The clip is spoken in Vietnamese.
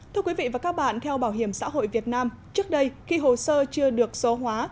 thưa quý vị và các bạn theo bảo hiểm xã hội việt nam trước đây khi hồ sơ chưa được số hóa